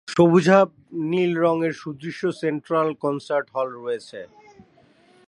সবুজাভ নীল রঙের সুদৃশ্য সেন্ট্রাল কনসার্ট হল রয়েছে।